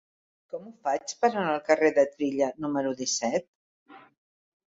Com ho faig per anar al carrer de Trilla número disset?